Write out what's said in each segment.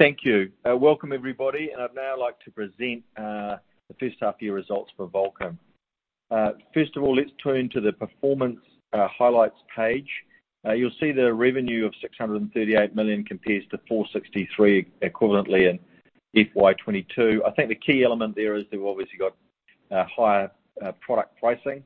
Thank you. Welcome everybody, I'd now like to present the first half year results for Vulcan. First of all, let's turn to the performance highlights page. You'll see the revenue of 638 million compares to 463 million equivalently in FY22. I think the key element there is we've obviously got higher product pricing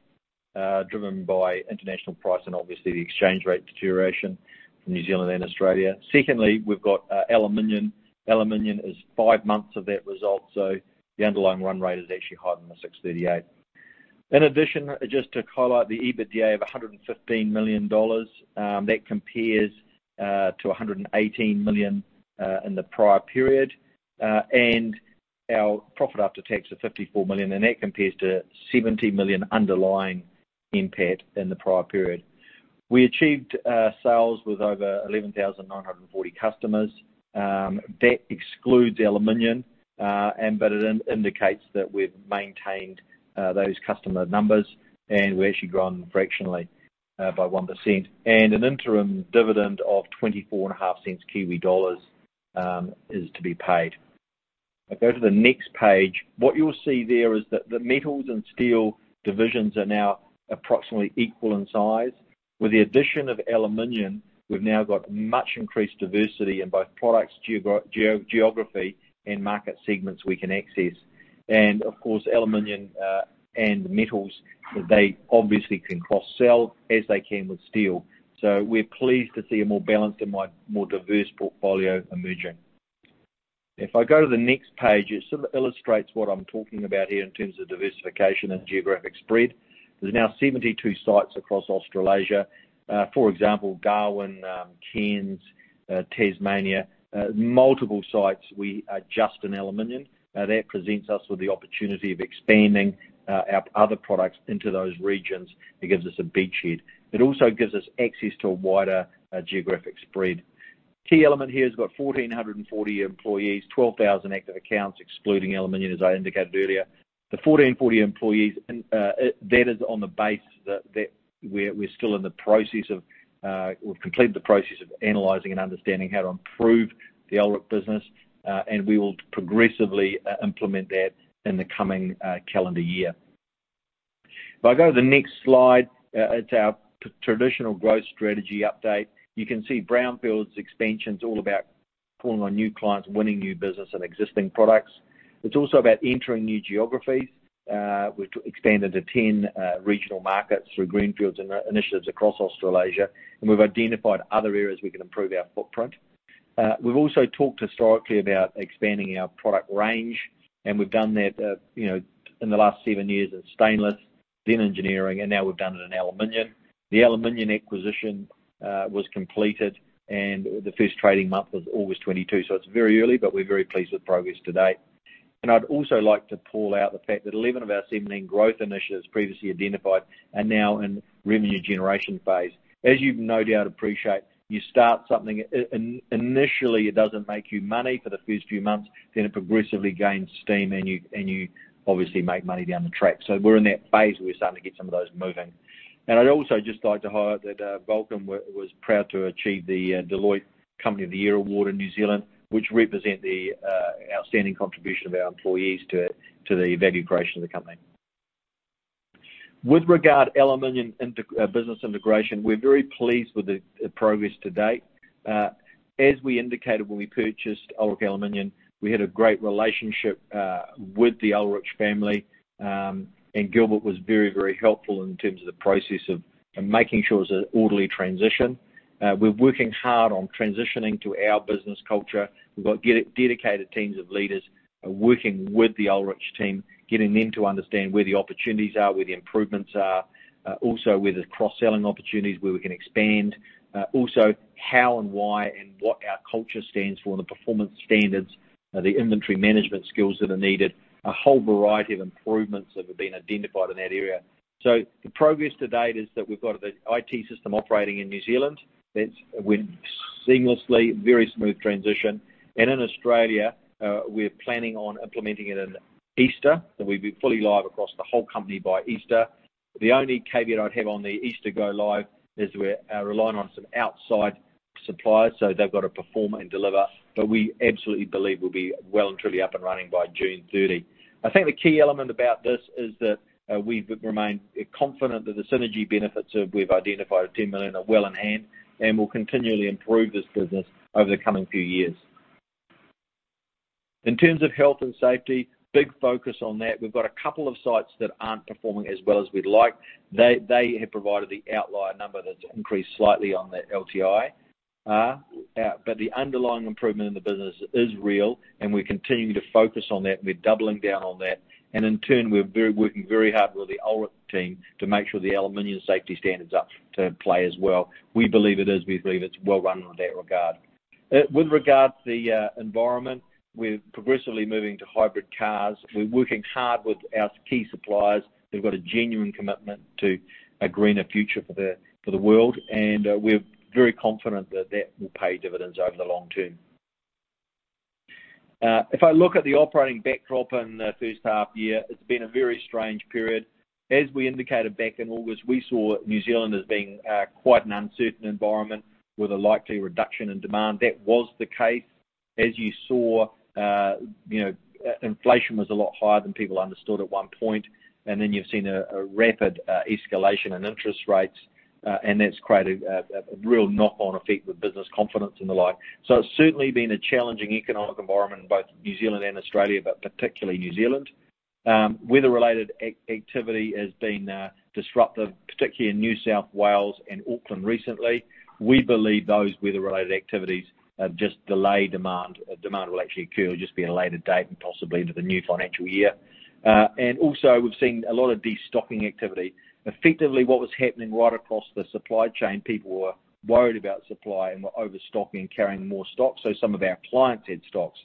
driven by international price and obviously the exchange rate deterioration from New Zealand and Australia. Secondly, we've got Aluminum. Aluminum is 5 months of that result. The underlying run rate is actually higher than the 638 million. In addition, just to highlight the EBITDA of 115 million dollars, that compares to 118 million in the prior period. Our profit after tax of 54 million, and that compares to 70 million underlying NPAT in the prior period. We achieved sales with over 11,940 customers. That excludes Aluminium, but it indicates that we've maintained those customer numbers, and we've actually grown fractionally by 1%. An interim dividend of 0.245 is to be paid. If I go to the next page, what you'll see there is that the metals and steel divisions are now approximately equal in size. With the addition of Aluminium, we've now got much increased diversity in both products, geography and market segments we can access. Of course, Aluminium and metals, they obviously can cross-sell as they can with steel. We're pleased to see a more balanced and more diverse portfolio emerging. If I go to the next page, it sort of illustrates what I'm talking about here in terms of diversification and geographic spread. There's now 72 sites across Australasia. For example, Darwin, Cairns, Tasmania, multiple sites we are just in Aluminium. That presents us with the opportunity of expanding our other products into those regions. It gives us a beachhead. It also gives us access to a wider geographic spread. Key element here has got 1,440 employees, 12,000 active accounts, excluding Aluminium, as I indicated earlier. The 1,440 employees, that is on the base that we're still in the process of. We've completed the process of analyzing and understanding how to improve the Ullrich business, and we will progressively implement that in the coming calendar year. If I go to the next slide, it's our traditional growth strategy update. You can see brownfields expansion's all about calling on new clients, winning new business and existing products. It's also about entering new geographies. We've expanded to 10 regional markets through greenfields and initiatives across Australasia, and we've identified other areas we can improve our footprint. We've also talked historically about expanding our product range, and we've done that, you know, in the last seven years in stainless, then engineering, and now we've done it in Aluminum. The Aluminum acquisition was completed and the first trading month was August 2022. It's very early, but we're very pleased with progress to date. I'd also like to call out the fact that 11 of our 17 growth initiatives previously identified are now in revenue generation phase. As you no doubt appreciate, you start something initially it doesn't make you money for the first few months, then it progressively gains steam and you obviously make money down the track. We're in that phase where we're starting to get some of those moving. I'd also just like to highlight that Vulcan was proud to achieve the Deloitte Company of the Year award in New Zealand, which represent the outstanding contribution of our employees to the value creation of the company. With regard Aluminium business integration, we're very pleased with the progress to date. As we indicated when we purchased Ullrich Aluminum, we had a great relationship with the Ullrich family, and Gilbert was very, very helpful in terms of the process of making sure it was an orderly transition. We're working hard on transitioning to our business culture. We've got dedicated teams of leaders working with the Ullrich team, getting them to understand where the opportunities are, where the improvements are, also where there's cross-selling opportunities where we can expand. Also how and why and what our culture stands for and the performance standards, the inventory management skills that are needed, a whole variety of improvements that have been identified in that area. The progress to date is that we've got the IT system operating in New Zealand. That went seamlessly, very smooth transition. In Australia, we're planning on implementing it in Easter, and we'll be fully live across the whole company by Easter. The only caveat I'd have on the Easter go live is we're relying on some outside suppliers, so they've got to perform and deliver. We absolutely believe we'll be well and truly up and running by June 30. I think the key element about this is that we remain confident that the synergy benefits we've identified, 10 million, are well in hand and will continually improve this business over the coming few years. In terms of health and safety, big focus on that. They have provided the outlier number that's increased slightly on that LTI. But the underlying improvement in the business is real and we're continuing to focus on that. We're doubling down on that. In turn, we're working very hard with the Ullrich team to make sure the Aluminum safety standard's up to play as well. We believe it is. We believe it's well run in that regard. With regards to the environment, we're progressively moving to hybrid cars. We're working hard with our key suppliers. We've got a genuine commitment to a greener future for the world. We're very confident that that will pay dividends over the long term. If I look at the operating backdrop in the first half year, it's been a very strange period. As we indicated back in August, we saw New Zealand as being quite an uncertain environment with a likely reduction in demand. That was the case. As you saw, you know, inflation was a lot higher than people understood at one point, and then you've seen a rapid escalation in interest rates, and that's created a real knock-on effect with business confidence and the like. It's certainly been a challenging economic environment in both New Zealand and Australia, but particularly New Zealand. Weather-related activity has been disruptive, particularly in New South Wales and Auckland recently. We believe those weather-related activities just delay demand. Demand will actually occur, it'll just be at a later date and possibly into the new financial year. We've seen a lot of destocking activity. Effectively, what was happening right across the supply chain, people were worried about supply and were overstocking and carrying more stock, so some of our clients had stocks.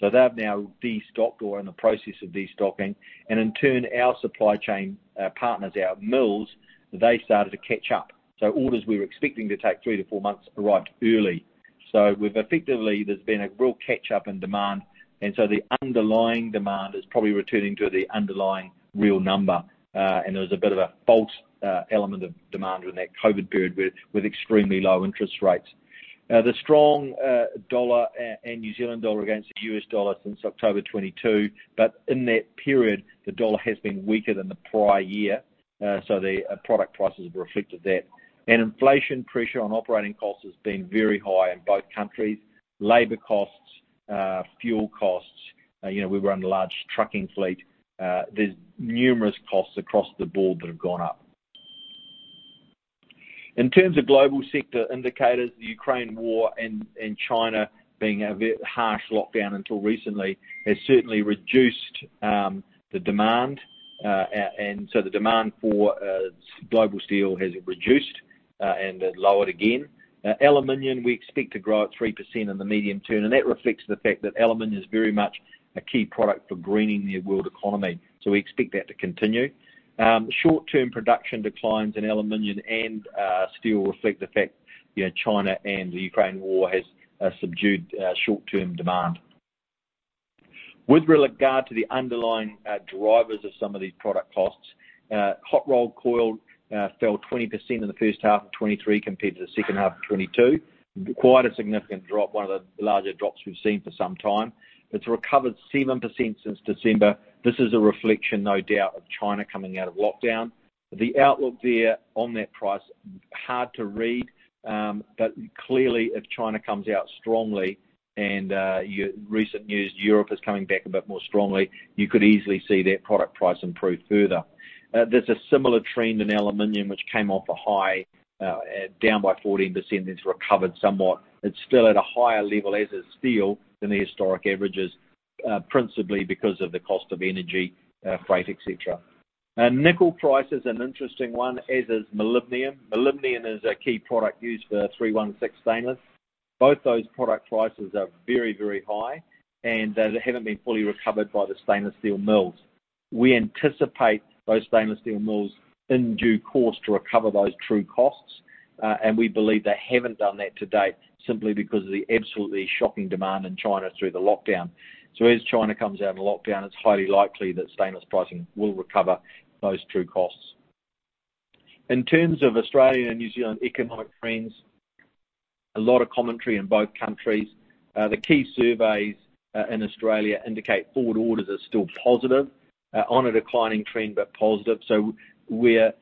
They've now destocked or are in the process of destocking, and in turn, our supply chain partners, our mills, they started to catch up. Orders we were expecting to take 3 to 4 months arrived early. We've effectively, there's been a real catch-up in demand, the underlying demand is probably returning to the underlying real number. There was a bit of a false element of demand during that COVID period with extremely low interest rates. The strong dollar, and New Zealand dollar against the US dollar since October 2022, but in that period, the dollar has been weaker than the prior year, so the product prices have reflected that. Inflation pressure on operating costs has been very high in both countries. Labor costs, fuel costs, you know, we run a large trucking fleet. There's numerous costs across the board that have gone up. In terms of global sector indicators, the Ukraine War and China being a bit harsh lockdown until recently has certainly reduced the demand. The demand for global steel has reduced and lowered again. Aluminium we expect to grow at 3% in the medium term, and that reflects the fact that Aluminium is very much a key product for greening the world economy. We expect that to continue. Short-term production declines in Aluminium and steel reflect the fact, you know, China and the Ukraine War has subdued short-term demand. With regard to the underlying drivers of some of these product costs, hot-rolled coil fell 20% in the first half of 2023 compared to the second half of 2022. Quite a significant drop, one of the larger drops we've seen for some time. It's recovered 7% since December. This is a reflection, no doubt, of China coming out of lockdown. The outlook there on that price, hard to read. Clearly if China comes out strongly and recent news, Europe is coming back a bit more strongly, you could easily see that product price improve further. There's a similar trend in Aluminium which came off a high, down by 14% and it's recovered somewhat. It's still at a higher level, as is steel, than the historic averages, principally because of the cost of energy, freight, et cetera. Nickel price is an interesting one, as is molybdenum. Molybdenum is a key product used for 316 stainless. Both those product prices are very, very high. They haven't been fully recovered by the stainless steel mills. We anticipate those stainless steel mills in due course to recover those true costs. We believe they haven't done that to date simply because of the absolutely shocking demand in China through the lockdown. As China comes out of the lockdown, it's highly likely that stainless pricing will recover those true costs. In terms of Australia and New Zealand economic trends, a lot of commentary in both countries. The key surveys in Australia indicate forward orders are still positive on a declining trend, but positive. We're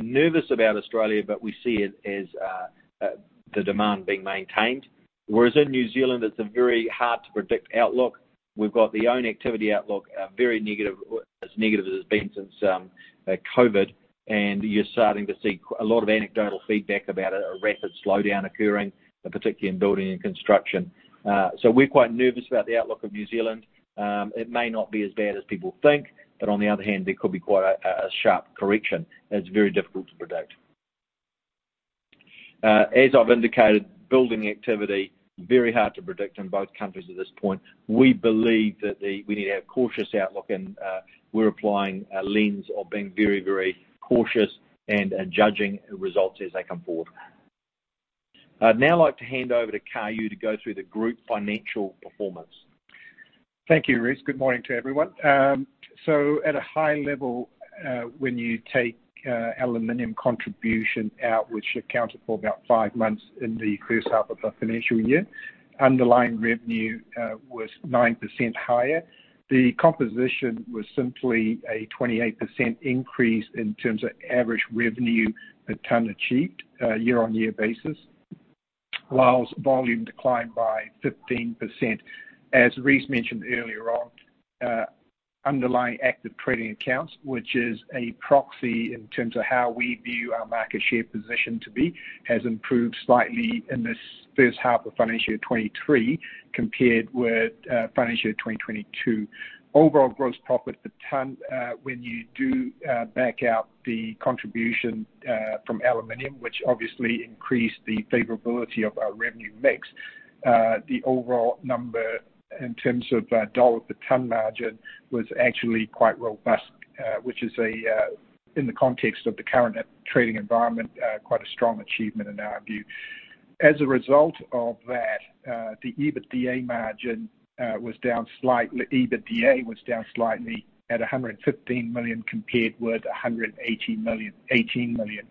nervous about Australia, but we see it as the demand being maintained. Whereas in New Zealand, it's a very hard-to-predict outlook. We've got the own activity outlook, very negative, as negative as it's been since COVID. You're starting to see a lot of anecdotal feedback about a rapid slowdown occurring, particularly in building and construction. We're quite nervous about the outlook of New Zealand. It may not be as bad as people think, but on the other hand, there could be quite a sharp correction. It's very difficult to predict. As I've indicated, building activity, very hard to predict in both countries at this point. We believe that we need to have a cautious outlook and we're applying a lens of being very, very cautious and judging results as they come forward. I'd now like to hand over to Kai-Yu to go through the group financial performance. Thank you, Rhys. Good morning to everyone. At a high level, when you take Aluminium contribution out, which accounted for about 5 months in the first half of the financial year, underlying revenue was 9% higher. The composition was simply a 28% increase in terms of average revenue per ton achieved, year-on-year basis, whilst volume declined by 15%. As Rhys mentioned earlier on, underlying active trading accounts, which is a proxy in terms of how we view our market share position to be, has improved slightly in this first half of financial year '23 compared with financial year 2022. Overall gross profit per ton, when you do back out the contribution from Aluminium, which obviously increased the favorability of our revenue mix, the overall number in terms of dollar-per-ton margin was actually quite robust, which is a in the context of the current trading environment, quite a strong achievement in our view. As a result of that, the EBITDA margin was down slightly. EBITDA was down slightly at 115 million compared with 118 million.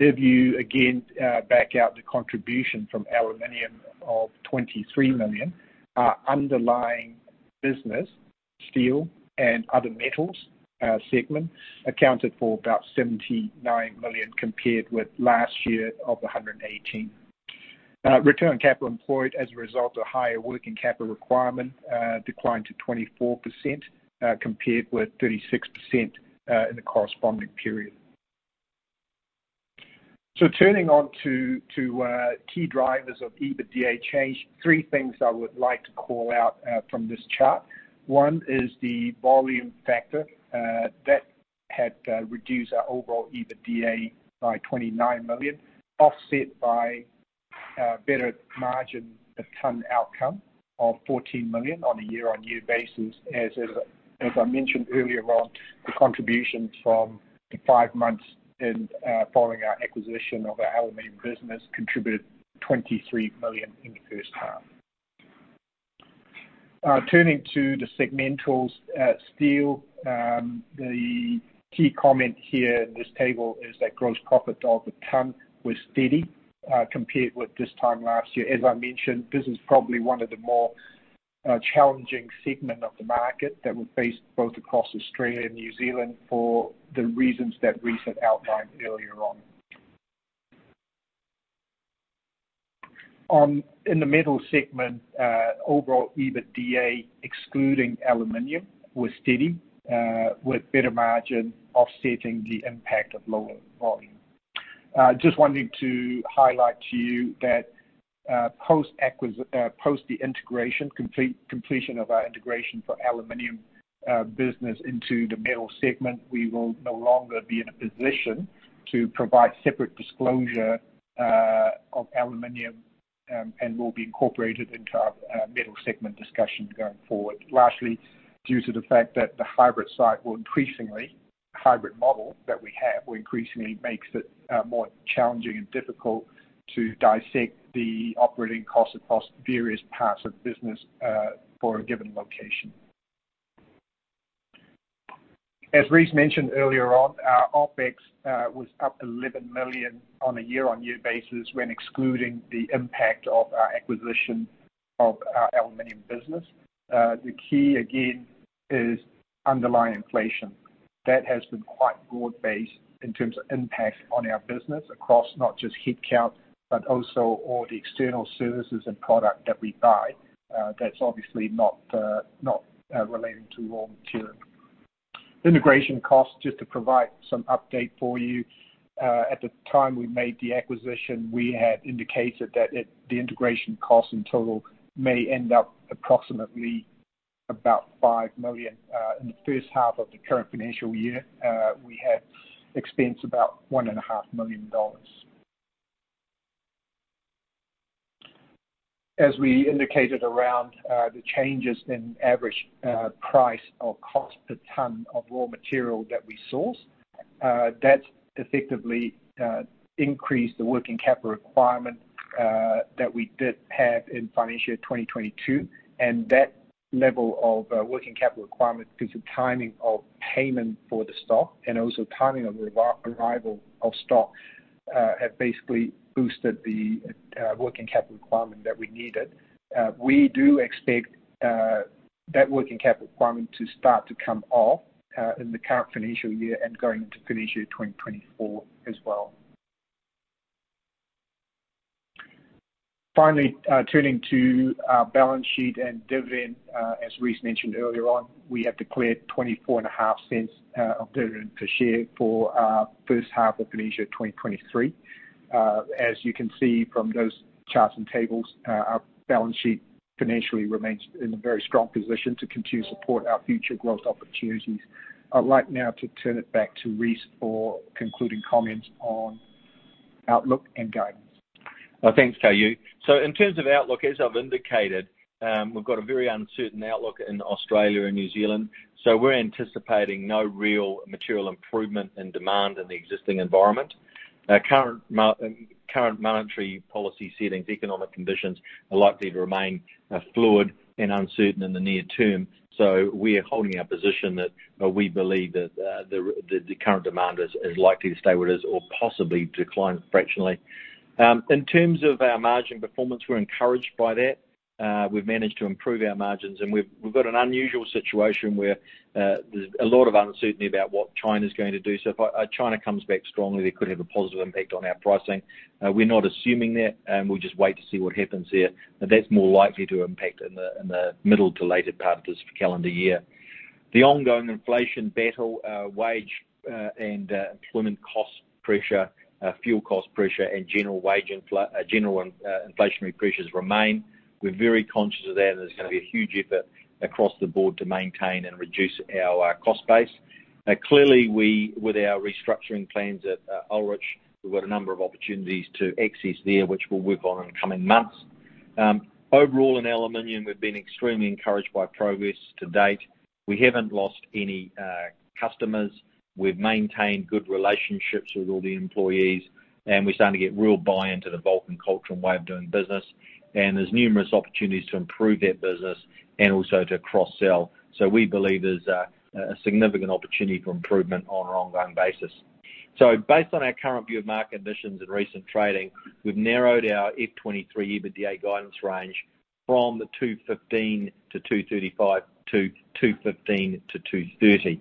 If you again back out the contribution from Aluminium of 23 million, our underlying business, steel and other metals, segment accounted for about 79 million compared with last year of 118 million. Return on capital employed as a result of higher working capital requirement, declined to 24%, compared with 36% in the corresponding period. Turning on to key drivers of EBITDA change, three things I would like to call out from this chart. One is the volume factor that had reduced our overall EBITDA by 29 million, offset by better margin per ton outcome of 14 million on a year-on-year basis. As I mentioned earlier on, the contribution from the five months in following our acquisition of our aluminum business contributed 23 million in the first half. Turning to the segmentals, steel. The key comment here in this table is that gross profit of the ton was steady, compared with this time last year. As I mentioned, this is probably one of the more challenging segment of the market that we face both across Australia and New Zealand for the reasons that Rhys had outlined earlier on. In the metal segment, overall EBITDA excluding aluminum was steady, with better margin offsetting the impact of lower volume. Just wanting to highlight to you that, post the integration completion of our integration for aluminum business into the metal segment, we will no longer be in a position to provide separate disclosure of aluminum, and will be incorporated into our metal segment discussion going forward. Due to the fact that the hybrid site will increasingly... hybrid model that we have will increasingly makes it more challenging and difficult to dissect the operating costs across various parts of the business for a given location. As Rhys mentioned earlier on, our OpEx was up 11 million on a year-on-year basis when excluding the impact of our acquisition of our Aluminium business. The key again is underlying inflation. That has been quite broad-based in terms of impact on our business across not just headcount, but also all the external services and product that we buy. That's obviously not not relating to raw material. Integration costs, just to provide some update for you. At the time we made the acquisition, we had indicated that the integration cost in total may end up approximately about 5 million. In the first half of the current financial year, we had expense about one and a half million dollars. As we indicated around the changes in average price or cost per ton of raw material that we source, that's effectively increased the working capital requirement that we did have in financial year 2022, and that level of working capital requirement because of timing of payment for the stock and also timing of arrival of stock, have basically boosted the working capital requirement that we needed. We do expect that working capital requirement to start to come off in the current financial year and going into financial year 2024 as well. Turning to our balance sheet and dividend. As Rhys mentioned earlier on, we have declared twenty-four and a half cents of dividend per share for our first half of financial 2023. As you can see from those charts and tables, our balance sheet financially remains in a very strong position to continue to support our future growth opportunities. I'd like now to turn it back to Rhys for concluding comments on outlook and guidance. Thanks, Kai-Yu. In terms of outlook, as I've indicated, we've got a very uncertain outlook in Australia and New Zealand. We're anticipating no real material improvement in demand in the existing environment. Our current monetary policy settings, economic conditions are likely to remain fluid and uncertain in the near term. We are holding our position that we believe that the current demand is likely to stay where it is or possibly decline fractionally. In terms of our margin performance, we're encouraged by that. We've managed to improve our margins and we've got an unusual situation where there's a lot of uncertainty about what China's going to do. If China comes back strongly, they could have a positive impact on our pricing. We're not assuming that, we'll just wait to see what happens there. That's more likely to impact in the middle to later part of this calendar year. The ongoing inflation battle, wage, and employment cost pressure, fuel cost pressure and general inflationary pressures remain. We're very conscious of that, and there's gonna be a huge effort across the board to maintain and reduce our cost base. Clearly we, with our restructuring plans at Ullrich, we've got a number of opportunities to access there, which we'll work on in coming months. Overall in Aluminium, we've been extremely encouraged by progress to date. We haven't lost any customers. We've maintained good relationships with all the employees, and we're starting to get real buy-in to the Vulcan culture and way of doing business. There's numerous opportunities to improve that business and also to cross-sell. We believe there's a significant opportunity for improvement on an ongoing basis. Based on our current view of market conditions and recent trading, we've narrowed our FY23 EBITDA guidance range from 215 million-235 million to 215 million-230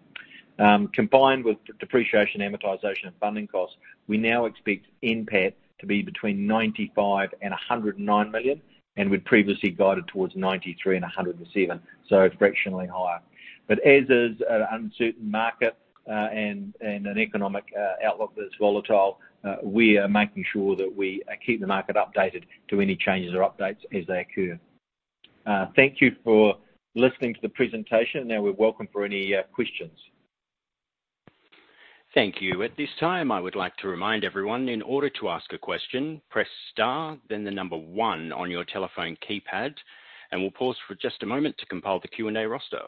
million. Combined with depreciation, amortization, and funding costs, we now expect NPAT to be between 95 million and 109 million, and we'd previously guided towards 93 million and 107 million. It's fractionally higher. As is an uncertain market, and an economic outlook that's volatile, we are making sure that we keep the market updated to any changes or updates as they occur. Thank you for listening to the presentation. Now we're welcome for any questions. Thank you. At this time, I would like to remind everyone, in order to ask a question, press star, then the number one on your telephone keypad, and we'll pause for just a moment to compile the Q&A roster.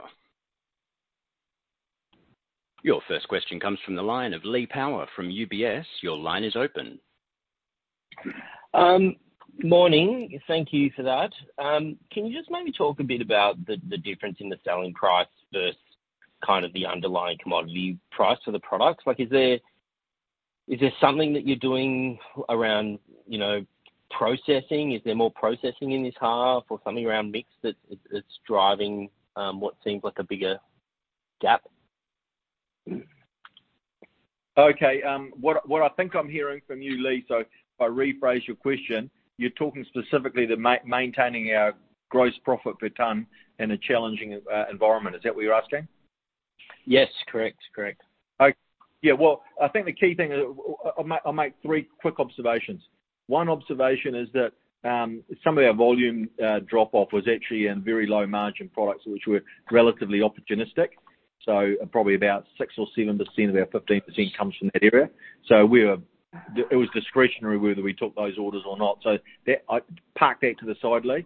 Your first question comes from the line of Lee Power from UBS. Your line is open. Morning. Thank you for that. Can you just maybe talk a bit about the difference in the selling price versus kind of the underlying commodity price for the products? Like, is there something that you're doing around, you know, processing? Is there more processing in this half or something around mix that it's driving what seems like a bigger gap? Okay. What I think I'm hearing from you, Lee, if I rephrase your question, you're talking specifically maintaining our gross profit per ton in a challenging environment. Is that what you're asking? Yes. Correct. Correct. I think the key thing is, I'll make 3 quick observations. One observation is that, some of our volume drop off was actually in very low margin products, which were relatively opportunistic. Probably about 6% or 7% of our 15% comes from that area. It was discretionary whether we took those orders or not. I park that to the side, Lee.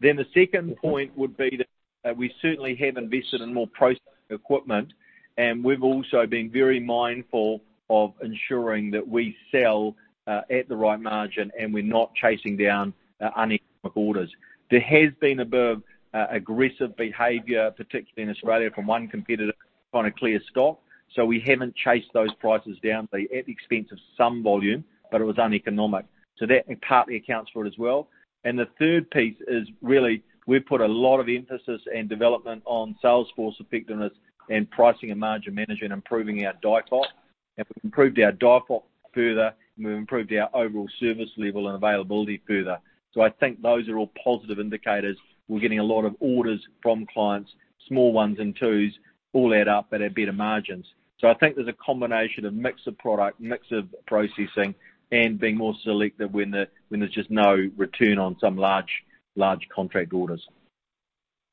The second point would be that we certainly have invested in more processing equipment, and we've also been very mindful of ensuring that we sell at the right margin, and we're not chasing down uneconomic orders. There has been a bit of aggressive behavior, particularly in Australia, from one competitor on a clear stock, so we haven't chased those prices down, Lee, at the expense of some volume, but it was uneconomic. That partly accounts for it as well. The third piece is, really, we've put a lot of emphasis and development on sales force effectiveness and pricing and margin management, improving our DiPoP. If we've improved our DiPoP further, we've improved our overall service level and availability further. I think those are all positive indicators. We're getting a lot of orders from clients, small ones and twos, all add up at our better margins. I think there's a combination of mix of product, mix of processing, and being more selective when there, when there's just no return on some large contract orders.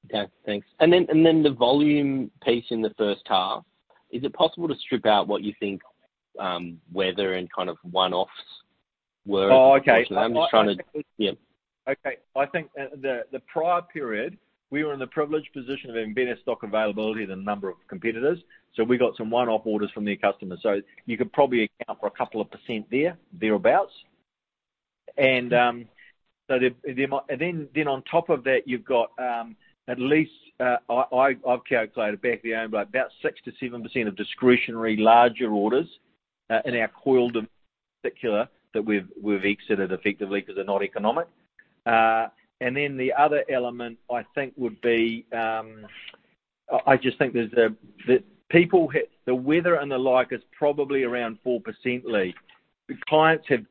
Okay. Thanks. The volume piece in the first half, is it possible to strip out what you think, whether in kind of one-offs? Oh, okay. I'm just trying to. Yeah. Okay. I think the prior period, we were in the privileged position of having better stock availability than a number of competitors. We got some one-off orders from their customers. You could probably account for a couple of % there, thereabout. There might. Then on top of that, you've got, at least, I've calculated back of the envelope about 6%-7% of discretionary larger orders in our coil particular that we've exited effectively because they're not economic. Then the other element I think would be, I just think the weather and the like is probably around 4%, Lee. The clients have. Mm-hmm. Clients have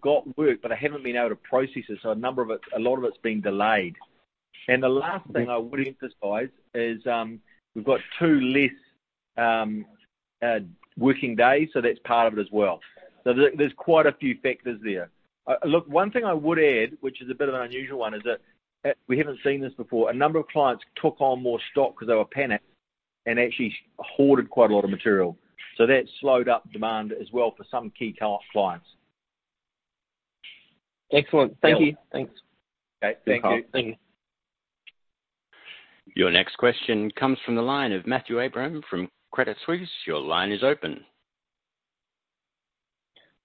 got work, but they haven't been able to process it, so a number of it, a lot of it's been delayed. The last thing I would emphasize is, we've got 2 less working days, so that's part of it as well. There's quite a few factors there. Look, one thing I would add, which is a bit of an unusual one, is that we haven't seen this before, a number of clients took on more stock because they were panicked and actually hoarded quite a lot of material. That slowed up demand as well for some key clients. Excellent. Thank you. Yeah. Thanks. Okay. Thank you. Thank you. Your next question comes from the line of Matthew Abraham from Credit Suisse. Your line is open.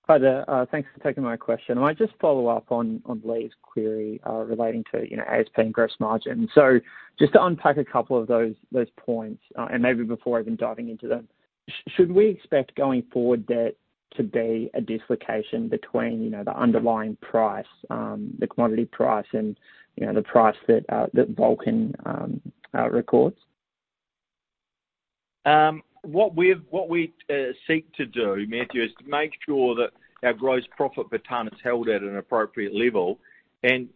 Hi there. Thanks for taking my question. I might just follow up on Lee's query, relating to, you know, ASP and gross margin. Just to unpack a couple of those points, maybe before even diving into them, should we expect going forward there to be a dislocation between, you know, the underlying price, the commodity price and, you know, the price that Vulcan records? What we seek to do, Matthew, is to make sure that our gross profit per ton is held at an appropriate level and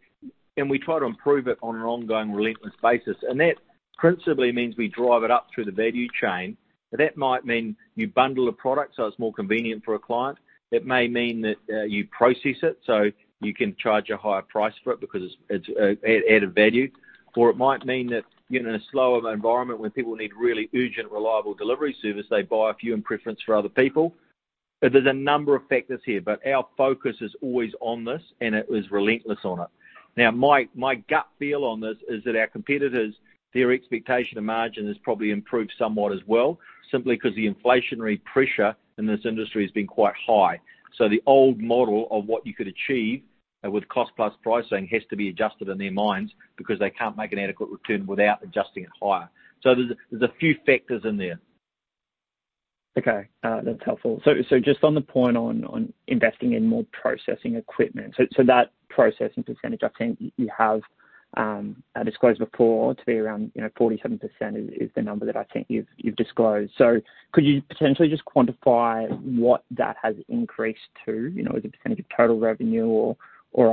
we try to improve it on an ongoing relentless basis. That principally means we drive it up through the value chain. That might mean you bundle a product, so it's more convenient for a client. It may mean that you process it, so you can charge a higher price for it because it's added value. It might mean that you're in a slower environment where people need really urgent, reliable delivery service, they buy a few in preference for other people. There's a number of factors here, but our focus is always on this, and it is relentless on it. My gut feel on this is that our competitors, their expectation of margin has probably improved somewhat as well, simply 'cause the inflationary pressure in this industry has been quite high. The old model of what you could achieve with cost plus pricing has to be adjusted in their minds because they can't make an adequate return without adjusting it higher. There's a few factors in there. That's helpful. Just on the point on investing in more processing equipment. That processing percentage, I think you have disclosed before to be around, you know, 47% is the number that I think you've disclosed. Could you potentially just quantify what that has increased to? You know, as a percentage of total revenue or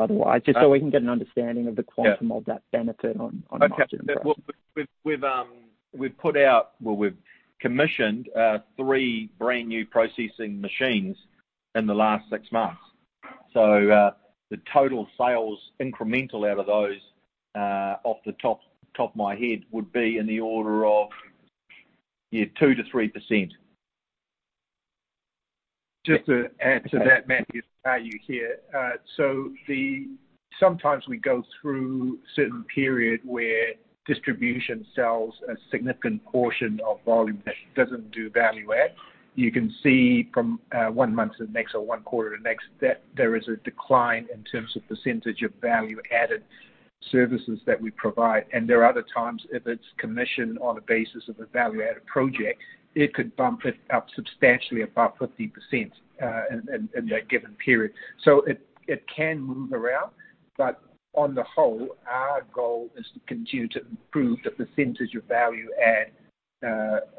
otherwise, just so we can get an understanding of the. Yeah quantum of that benefit on margin. Okay. We've commissioned three brand-new processing machines in the last 6 months. The total sales incremental out of those off the top of my head would be in the order of, yeah, 2%-3%. Just to add to that, Matthew, it's Kayu here. Sometimes we go through certain period where distribution sells a significant portion of volume that doesn't do value add. You can see from, one month to the next or one quarter to the next, that there is a decline in terms of % of value-added services that we provide. There are other times, if it's commissioned on the basis of a value-added project, it could bump it up substantially above 50%, in a given period. It can move around, but on the whole, our goal is to continue to improve the % of value add,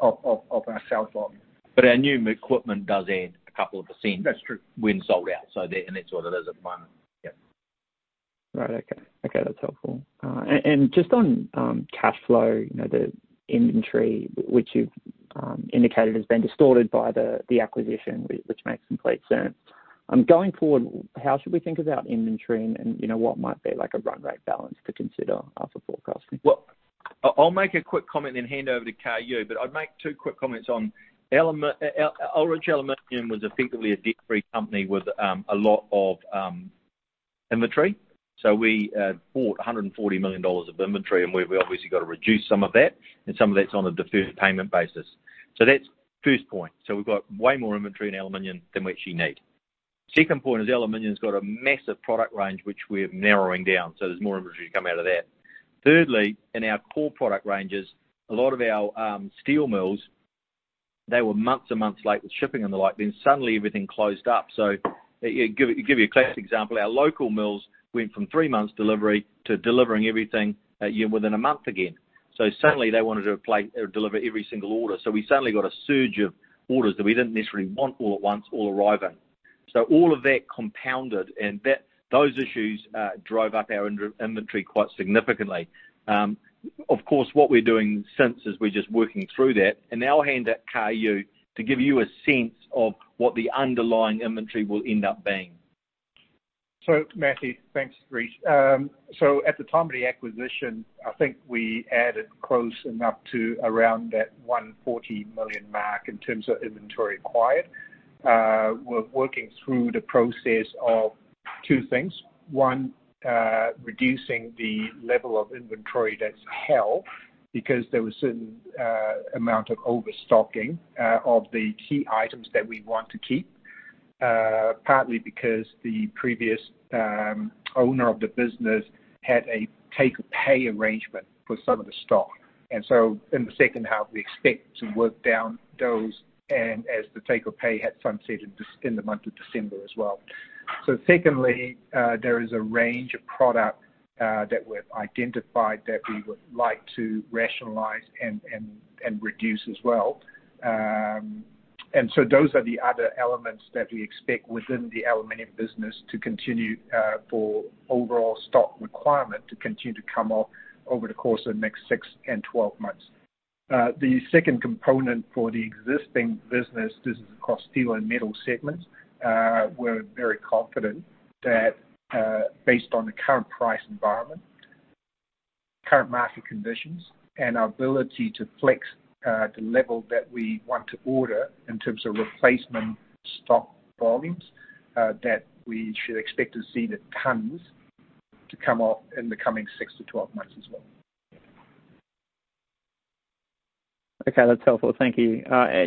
of our sales volume. Our new equipment does add 2%. That's true. ...when sold out. That's what it is at one. Yeah. Right. Okay. Okay, that's helpful. Just on cash flow, you know, the inventory which you've indicated has been distorted by the acquisition, which makes complete sense. Going forward, how should we think about inventory and, you know, what might be like a run rate balance to consider for forecasting? Well, I'll make a quick comment and hand over to Kayu. I'd make two quick comments on Ullrich Aluminium was effectively a debt-free company with a lot of inventory. We bought 140 million dollars of inventory, and we've obviously got to reduce some of that, and some of that's on a deferred payment basis. That's first point. We've got way more inventory in Aluminium than we actually need. Second point is, Aluminium's got a massive product range which we're narrowing down, so there's more inventory to come out of that. Thirdly, in our core product ranges, a lot of our steel mills, they were months and months late with shipping and the like. Suddenly everything closed up. Yeah, give you a classic example, our local mills went from 3 months delivery to delivering everything, you know, within 1 month again. Suddenly they wanted to play, deliver every single order. We suddenly got a surge of orders that we didn't necessarily want all at once, all arriving. All of that compounded, and those issues drove up our inventory quite significantly. Of course, what we're doing since is we're just working through that. Now I'll hand to Kayu to give you a sense of what the underlying inventory will end up being. Matthew, thanks, Rhys. At the time of the acquisition, I think we added close and up to around that 140 million mark in terms of inventory acquired. We're working through the process of two things. One, reducing the level of inventory that's held because there was certain amount of overstocking of the key items that we want to keep. Partly because the previous owner of the business had a take-or-pay arrangement for some of the stock. In the second half, we expect to work down those and as the take-or-pay had sunset in the month of December as well. Secondly, there is a range of product that we've identified that we would like to rationalize and reduce as well. Those are the other elements that we expect within the Aluminium business to continue, for overall stock requirement to continue to come off over the course of the next 6 and 12 months. The second component for the existing business is across steel and metal segments. We're very confident that, based on the current price environment, current market conditions, and our ability to flex, the level that we want to order in terms of replacement stock volumes, that we should expect to see the tons to come off in the coming 6 to 12 months as well. Okay. That's helpful. Thank you.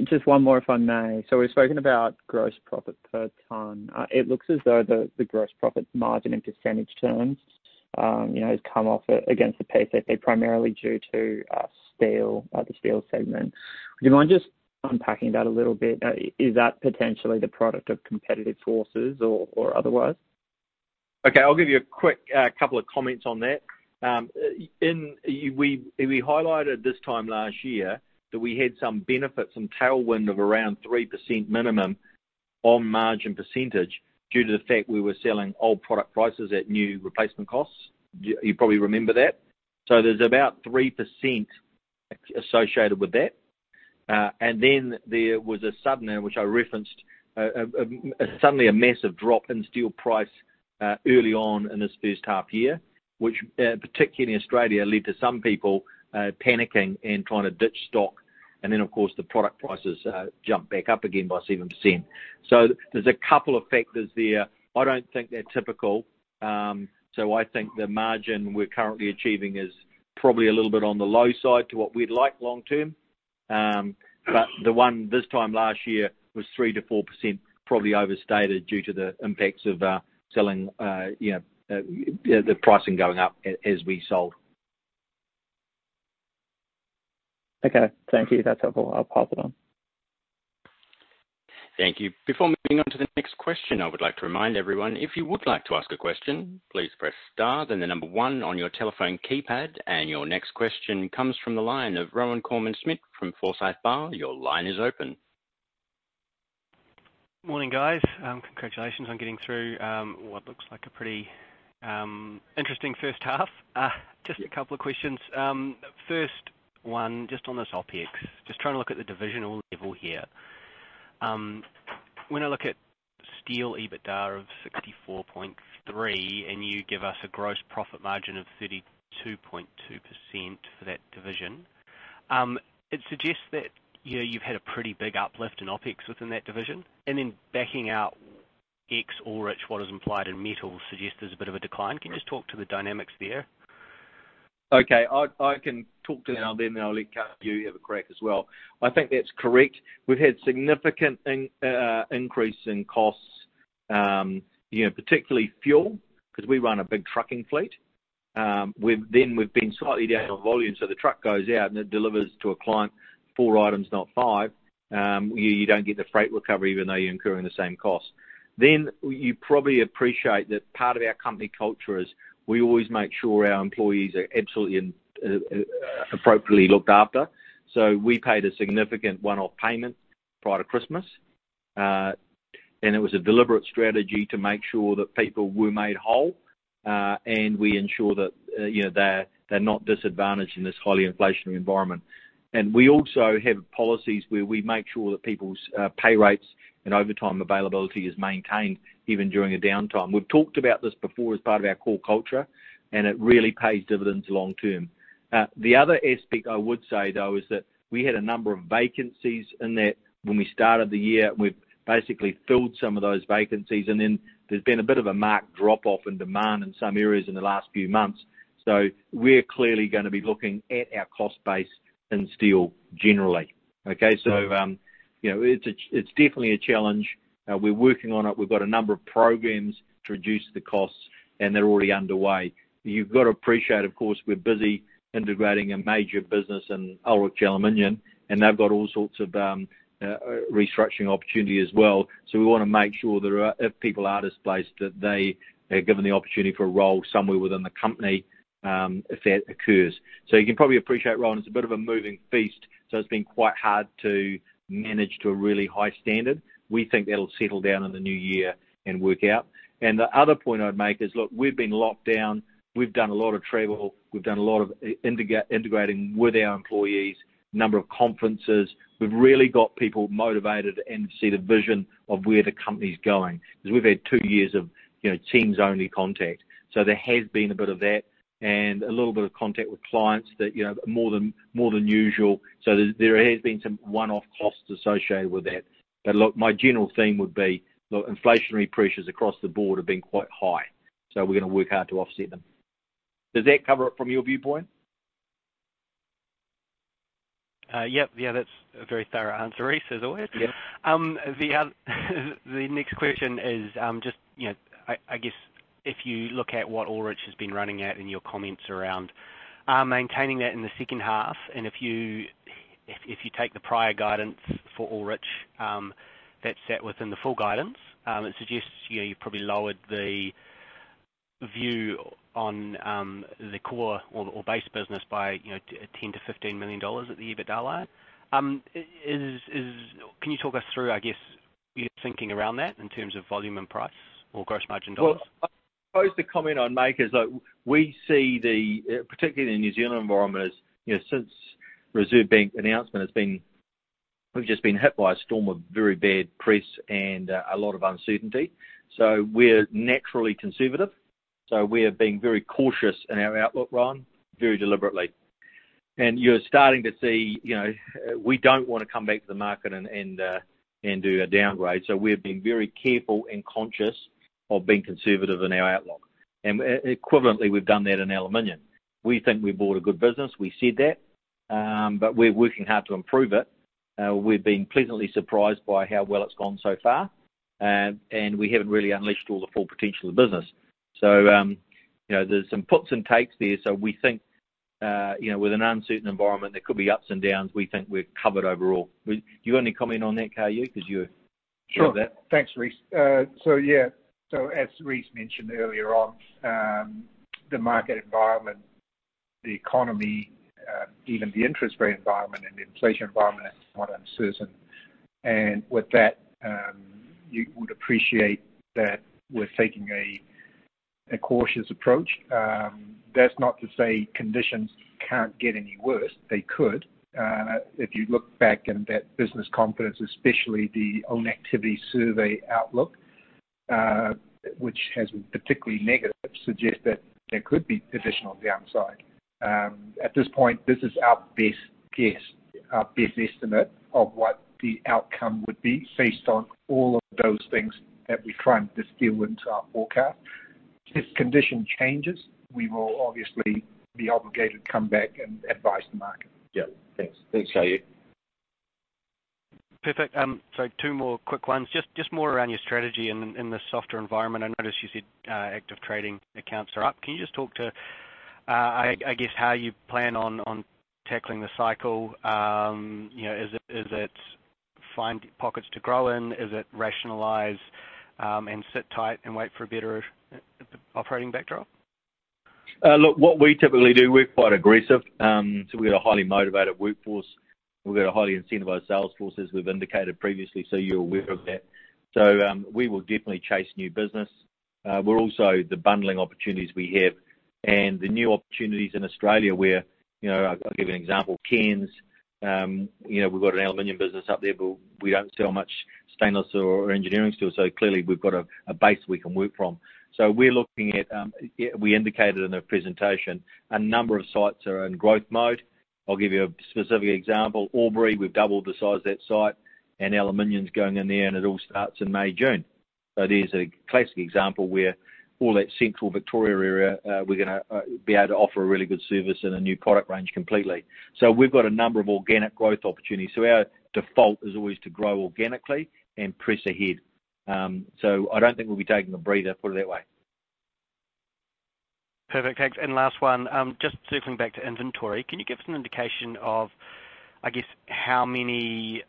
Just one more, if I may. We've spoken about gross profit per ton. It looks as though the gross profit margin in percentage terms, you know, has come off against the PCP, primarily due to steel, the steel segment. Would you mind just unpacking that a little bit? Is that potentially the product of competitive forces or otherwise? Okay. I'll give you a quick couple of comments on that. We highlighted this time last year that we had some benefit, some tailwind of around 3% minimum on margin percentage due to the fact we were selling old product prices at new replacement costs. You probably remember that. There's about 3% associated with that. Then there was a sudden, which I referenced, suddenly a massive drop in steel price early on in this first half year, which particularly in Australia, led to some people panicking and trying to ditch stock. Then, of course, the product prices jumped back up again by 7%. There's a couple of factors there. I don't think they're typical. I think the margin we're currently achieving is probably a little bit on the low side to what we'd like long term. The one this time last year was 3%-4%, probably overstated due to the impacts of selling, you know, the pricing going up as we sold. Okay. Thank you. That's helpful. I'll pass it on. Thank you. Before moving on to the next question, I would like to remind everyone, if you would like to ask a question, please press star, then the number one on your telephone keypad. Your next question comes from the line of Rohan Koreman-Smit from Forsyth Barr. Your line is open. Morning, guys. Congratulations on getting through what looks like a pretty interesting first half. Just a couple of questions. First one, just on this OpEx, just trying to look at the divisional level here. When I look at steel EBITDA of 64.3, and you give us a gross profit margin of 32.2% for that division, it suggests that, you know, you've had a pretty big uplift in OpEx within that division. Then backing out ex-Ullrich, what is implied in metal suggests there's a bit of a decline. Can you just talk to the dynamics there? Okay. I can talk to that. I'll let KU have a crack as well. I think that's correct. We've had significant increase in costs, you know, particularly fuel, 'cause we run a big trucking fleet. We've been slightly down on volume, so the truck goes out and it delivers to a client 4 items, not 5. You don't get the freight recovery even though you're incurring the same cost. You probably appreciate that part of our company culture is we always make sure our employees are absolutely appropriately looked after. We paid a significant one-off payment prior to Christmas. It was a deliberate strategy to make sure that people were made whole, and we ensure that, you know, they're not disadvantaged in this highly inflationary environment. We also have policies where we make sure that people's pay rates and overtime availability is maintained even during a downtime. We've talked about this before as part of our core culture, and it really pays dividends long term. The other aspect I would say, though, is that we had a number of vacancies in that when we started the year. We've basically filled some of those vacancies. There's been a bit of a marked drop-off in demand in some areas in the last few months. We're clearly gonna be looking at our cost base in steel generally. Okay? You know, it's definitely a challenge. We're working on it. We've got a number of programs to reduce the costs, and they're already underway. You've got to appreciate, of course, we're busy integrating a major business in Ullrich Aluminium, and they've got all sorts of restructuring opportunity as well. We wanna make sure if people are displaced, that they are given the opportunity for a role somewhere within the company if that occurs. You can probably appreciate, Rohan, it's a bit of a moving feast, so it's been quite hard to manage to a really high standard. We think that'll settle down in the new year and work out. The other point I'd make is, look, we've been locked down. We've done a lot of travel. We've done a lot of integrating with our employees, number of conferences. We've really got people motivated and to see the vision of where the company's going because we've had two years of, you know, Teams-only contact. There has been a bit of that and a little bit of contact with clients that, you know, more than usual. There has been some one-off costs associated with that. Look, my general theme would be, look, inflationary pressures across the board have been quite high, so we're gonna work hard to offset them. Does that cover it from your viewpoint? Yep. Yeah, that's a very thorough answer, Rhys, as always. Yeah. The next question is, just, you know, I guess if you look at what Ullrich has been running at and your comments around, maintaining that in the second half, and if you take the prior guidance for Ullrich, that sat within the full guidance, it suggests you probably lowered the view on the core or base business by, you know, 10 million-15 million dollars at the EBITDA line. Can you talk us through, I guess, your thinking around that in terms of volume and price or gross margin dollars? Well, I suppose the comment I'd make is that we see the, particularly in the New Zealand environment, is, you know, since Reserve Bank announcement we've just been hit by a storm of very bad press and a lot of uncertainty. We're naturally conservative. We are being very cautious in our outlook, Rohan, very deliberately. You're starting to see, you know, we don't wanna come back to the market and do a downgrade, we're being very careful and conscious of being conservative in our outlook. Equivalently, we've done that in aluminum. We think we bought a good business. We said that, we're working hard to improve it. We've been pleasantly surprised by how well it's gone so far. We haven't really unleashed all the full potential of the business. You know, there's some puts and takes there. We think, you know, with an uncertain environment, there could be ups and downs. We think we're covered overall. Do you want to comment on that, KU, 'cause you're- Sure. sure of that. Thanks, Rhys. Yeah. As Rhys mentioned earlier on, the market environment, the economy, even the interest rate environment and the inflation environment is quite uncertain. With that, you would appreciate that we're taking a cautious approach. That's not to say conditions can't get any worse. They could. If you look back in that business confidence, especially the own activity survey outlook, which has been particularly negative, suggest that there could be additional downside. At this point, this is our best guess, our best estimate of what the outcome would be based on all of those things that we try and distill into our forecast. If condition changes, we will obviously be obligated to come back and advise the market. Yeah. Thanks. Thanks, Kai-Yu. Perfect. Two more quick ones. Just more around your strategy in the softer environment. I noticed you said active trading accounts are up. Can you just talk to I guess, how you plan on tackling the cycle? You know, is it find pockets to grow in? Is it rationalize and sit tight and wait for a better operating backdrop? What we typically do, we're quite aggressive. We've got a highly motivated workforce. We've got a highly incentivized sales force, as we've indicated previously, so you're aware of that. We will definitely chase new business. We're also the bundling opportunities we have and the new opportunities in Australia where, you know, I'll give you an example, Cairns, you know, we've got an Aluminium business up there, but we don't sell much stainless or engineering steel, so clearly we've got a base we can work from. We're looking at, we indicated in the presentation a number of sites are in growth mode. I'll give you a specific example. Albury, we've doubled the size of that site and Aluminium's going in there and it all starts in May, June. That is a classic example where all that Central Victoria area, we're gonna be able to offer a really good service and a new product range completely. We've got a number of organic growth opportunities. Our default is always to grow organically and press ahead. I don't think we'll be taking a breather, put it that way. Perfect. Thanks. Last one, just circling back to inventory, can you give us an indication of, I guess, how many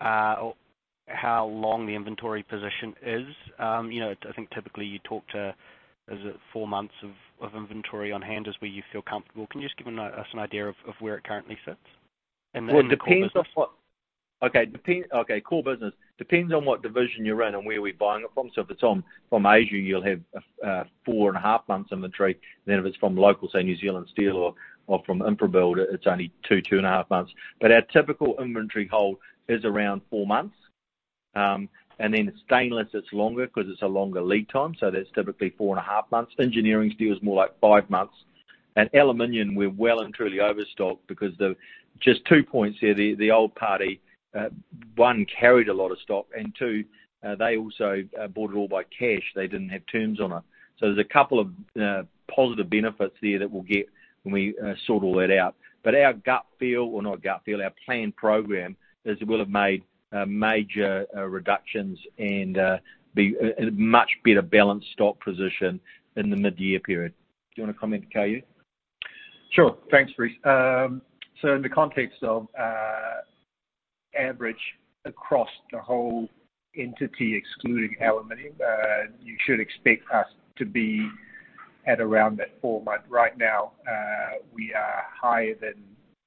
or how long the inventory position is? You know, I think typically you talk to, is it four months of inventory on hand is where you feel comfortable. Can you just give us an idea of where it currently sits in the core business? Well, it depends on. Okay. Core business, depends on what division you're in and where we're buying it from. If it's from Asia, you'll have 4 and a half months inventory. If it's from local, say New Zealand Steel or from InfraBuild, it's only 2 and a half months. Our typical inventory hold is around 4 months. Stainless, it's longer 'cause it's a longer lead time, so that's typically 4 and a half months. Engineering steel is more like 5 months. Aluminum, we're well and truly overstocked because. Just 2 points here. The old party, 1, carried a lot of stock, and 2, they also bought it all by cash. They didn't have terms on it. There's a couple of positive benefits there that we'll get when we sort all that out. Our gut feel, or not gut feel, our planned program is we'll have made major reductions and be a much better balanced stock position in the midyear period. Do you wanna comment, Caillou? Sure. Thanks, Rhys. In the context of average across the whole entity excluding Aluminium, you should expect us to be at around that 4 month. Right now, we are higher than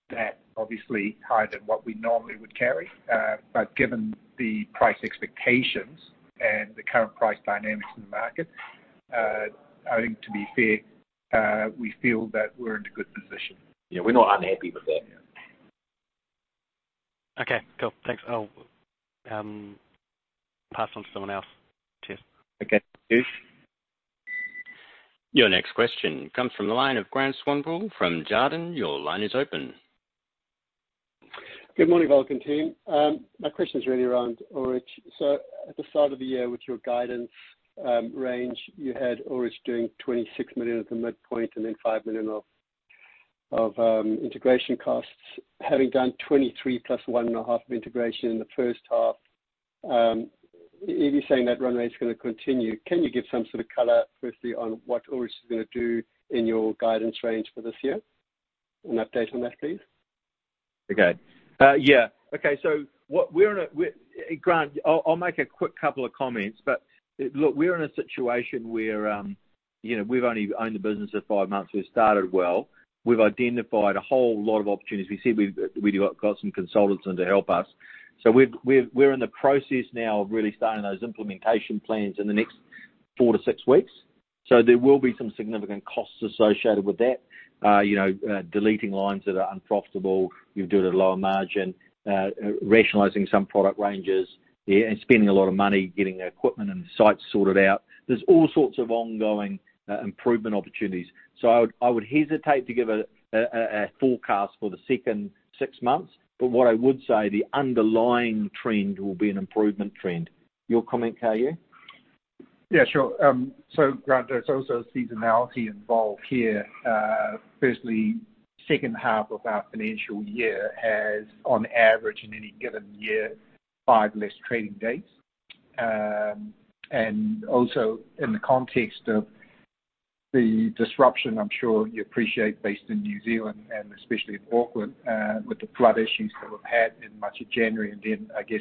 that, obviously higher than what we normally would carry. Given the price expectations and the current price dynamics in the market, I think to be fair, we feel that we're in a good position. Yeah, we're not unhappy with that. Okay, cool. Thanks. I'll pass on to someone else. Cheers. Okay. Cheers. Your next question comes from the line of Grant Swanepoel from Jarden. Your line is open. Good morning, Vulcan team. My question is really around Ullrich. At the start of the year with your guidance range, you had Ullrich doing 26 million at the midpoint and then 5 million of integration costs. Having done 23 million plus one and a half of integration in the first half, if you're saying that runway is gonna continue, can you give some sort of color firstly on what Ullrich is gonna do in your guidance range for this year? An update on that, please. Okay. Yeah. Okay. Grant, I'll make a quick couple of comments. Look, we're in a situation where, you know, we've only owned the business for five months. We've started well. We've identified a whole lot of opportunities. We said we've got some consultants in to help us. We're in the process now of really starting those implementation plans in the next four to six weeks. There will be some significant costs associated with that. You know, deleting lines that are unprofitable, you do it at a lower margin, rationalizing some product ranges yeah, and spending a lot of money getting the equipment and the sites sorted out. There's all sorts of ongoing improvement opportunities. I would hesitate to give a forecast for the second six months. What I would say, the underlying trend will be an improvement trend. Your comment, Kai-Yu? Yeah, sure. Grant, there's also seasonality involved here. Firstly, second half of our financial year has, on average in any given year, five less trading days. Also in the context of the disruption, I'm sure you appreciate based in New Zealand and especially in Auckland, with the flood issues that we've had in much of January and then I guess,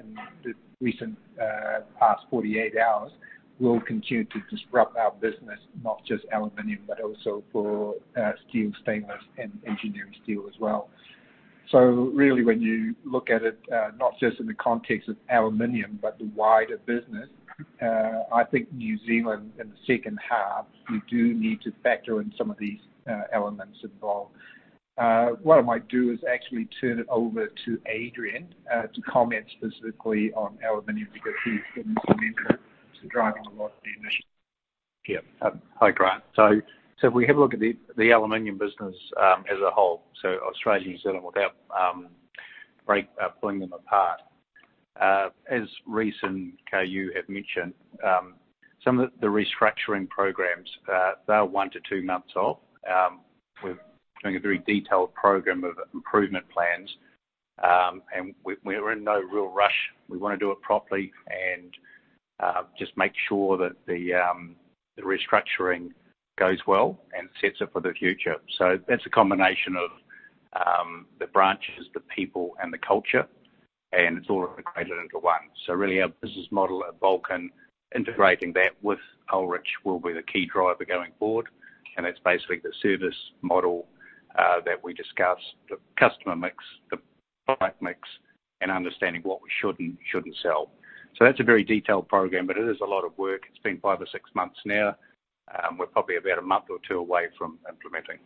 in the recent past 48 hours will continue to disrupt our business, not just aluminum, but also for steel, stainless and engineering steel as well. Really when you look at it, not just in the context of aluminum, but the wider business, I think New Zealand in the second half, we do need to factor in some of these elements involved. What I might do is actually turn it over to Adrian to comment specifically on aluminum because he's been driving a lot of the initiatives. Yeah Hi, Grant. If we have a look at the aluminum business as a whole, Australia, New Zealand, without pulling them apart. As Rhys and Kai-Yu have mentioned, some of the restructuring programs, they are 1-2 months old. We're doing a very detailed program of improvement plans. And we're in no real rush. We wanna do it properly and just make sure that the restructuring goes well and sets it for the future. That's a combination of the branches, the people and the culture, and it's all integrated into one. Really our business model at Vulcan, integrating that with Ullrich will be the key driver going forward. That's basically the service model that we discussed, the customer mix, the product mix, and understanding what we should and shouldn't sell. That's a very detailed program, but it is a lot of work. It's been 5 or 6 months now. We're probably about a month or two away from implementing.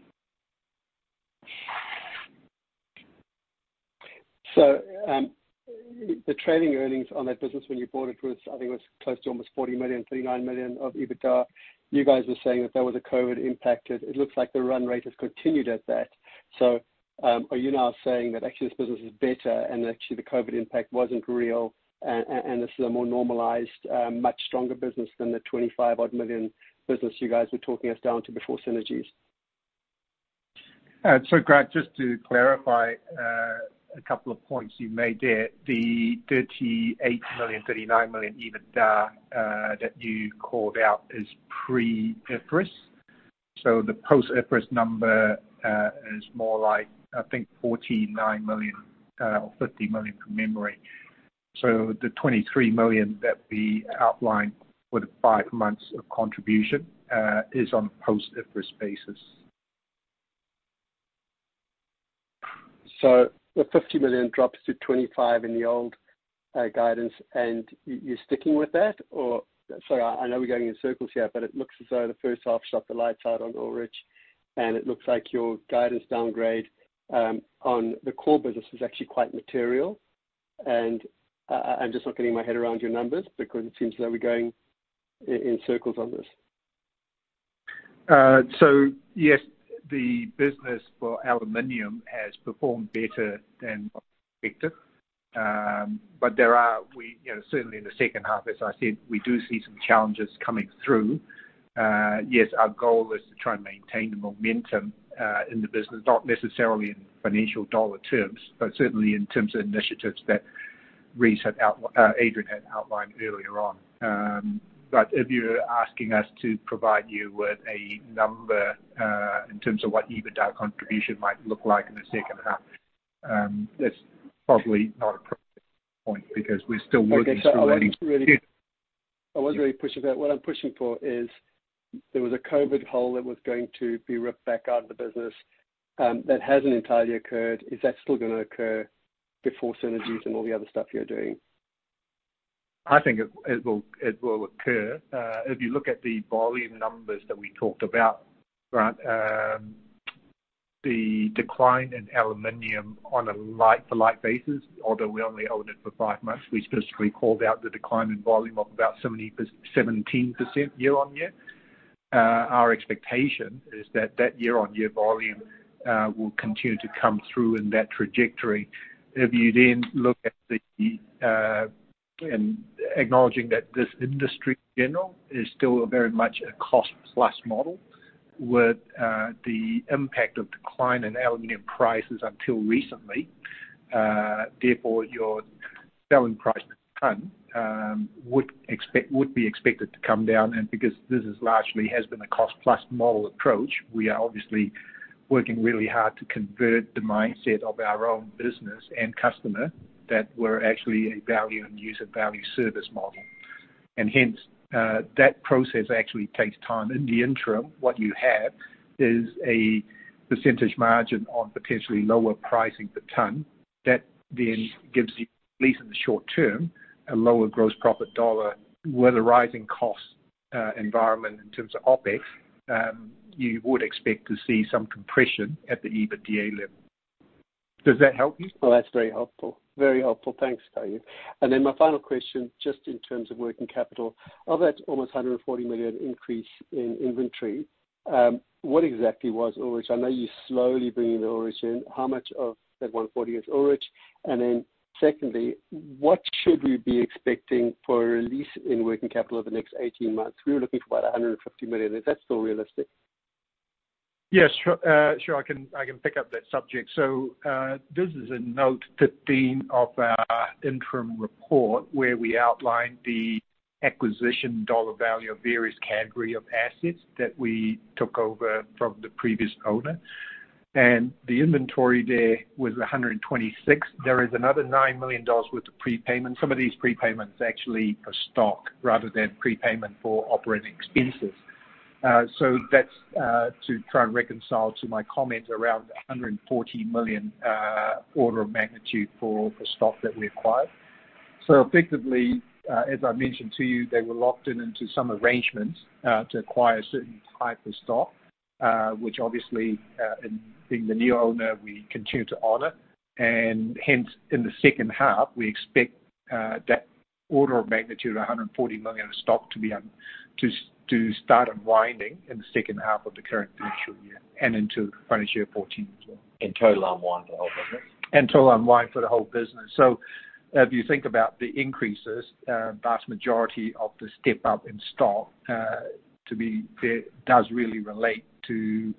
The trading earnings on that business when you bought it was, I think it was close to almost 40 million, 39 million of EBITDA. You guys were saying that there was a COVID impact. It looks like the run rate has continued at that. Are you now saying that actually this business is better and actually the COVID impact wasn't real and this is a more normalized, much stronger business than the 25 odd million business you guys were talking us down to before synergies? Grant, just to clarify, a couple of points you made there. The 38 million, 39 million EBITDA that you called out is pre-IFRS. The post-IFRS number is more like, I think 49 million, or 50 million from memory. The 23 million that we outlined for the 5 months of contribution is on a post-IFRS basis. The 50 million drops to 25 million in the old guidance, you're sticking with that? Sorry, I know we're going in circles here, but it looks as though the first half shot the lights out on Ullrich, and it looks like your guidance downgrade on the core business is actually quite material. I'm just not getting my head around your numbers because it seems that we're going in circles on this. Yes, the business for Aluminium has performed better than what we expected. We, you know, certainly in the second half, as I said, we do see some challenges coming through. Yes, our goal is to try and maintain the momentum in the business, not necessarily in financial dollar terms, but certainly in terms of initiatives that Adrian had outlined earlier on. If you're asking us to provide you with a number in terms of what EBITDA contribution might look like in the second half, that's probably not appropriate point because we're still working through. I was really pushing that. What I'm pushing for is there was a COVID hole that was going to be ripped back out of the business, that hasn't entirely occurred. Is that still gonna occur before synergies and all the other stuff you're doing? I think it will occur. If you look at the volume numbers that we talked about, Grant, the decline in Aluminium on a like-for-like basis, although we only owned it for five months, we specifically called out the decline in volume of about 17% year-on-year. Our expectation is that that year-on-year volume will continue to come through in that trajectory. If you then look at the, and acknowledging that this industry in general is still a very much a cost-plus model with the impact of decline in Aluminium prices until recently, therefore your selling price per tonne would be expected to come down. Because this is largely has been a cost-plus model approach, we are obviously working really hard to convert the mindset of our own business and customer that we're actually a value and user value service model. Hence, that process actually takes time. In the interim, what you have is a % margin on potentially lower pricing per ton. That then gives you, at least in the short term, a lower gross profit dollar. With a rising cost environment in terms of OpEx, you would expect to see some compression at the EBITDA level. Does that help you? Oh, that's very helpful. Very helpful. Thanks, Cayou. My final question, just in terms of working capital. Of that almost 140 million increase in inventory, what exactly was Ullrich? I know you're slowly bringing the Ullrich in. How much of that 140 is Ullrich? Secondly, what should we be expecting for a release in working capital over the next 18 months? We were looking for about 150 million. Is that still realistic? Yes, sure. I can pick up that subject. This is in note 15 of our interim report where we outlined the acquisition dollar value of various category of assets that we took over from the previous owner. The inventory there was 126. There is another 9 million dollars worth of prepayment. Some of these prepayments are actually a stock rather than prepayment for operating expenses. That's to try and reconcile to my comment around 140 million order of magnitude for stock that we acquired. Effectively, as I mentioned to you, they were locked in into some arrangements to acquire a certain type of stock, which obviously, and being the new owner, we continue to honor. Hence, in the second half, we expect that order of magnitude, 140 million of stock to start unwinding in the second half of the current financial year and into FY24 as well. In total unwind for the whole business? In total unwind for the whole business. If you think about the increases, vast majority of the step up in stock does really relate to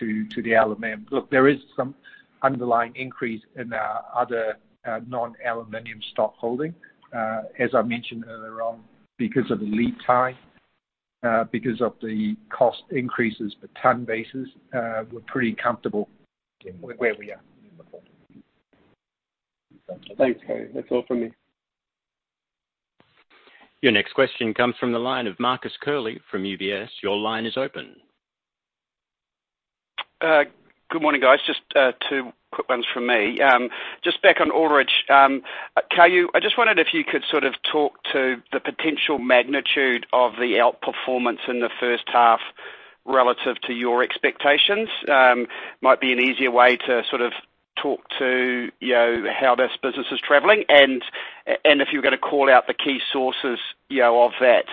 the aluminum. Look, there is some underlying increase in our other, non-aluminum stockholding. As I mentioned earlier on, because of the lead time, because of the cost increases per ton basis, we're pretty comfortable with where we are. Thanks, Kai. That's all from me. Your next question comes from the line of Marcus Curley from UBS. Your line is open. Good morning, guys. Just two quick ones from me. Just back on Ullrich. Kai, I just wondered if you could sort of talk to the potential magnitude of the outperformance in the first half relative to your expectations. Might be an easier way to sort of talk to, you know, how this business is traveling. If you're gonna call out the key sources, you know, of that,